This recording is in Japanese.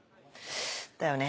だよね。